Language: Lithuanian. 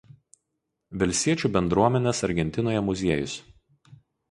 Velsiečių bendruomenės Argentinoje muziejus.